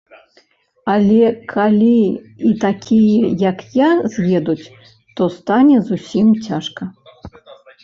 Але калі і такія, як я, з'едуць, то стане зусім цяжка.